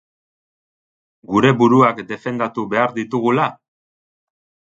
Geure buruak defendatu behar ditugula?